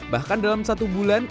bahkan dalam satu bulan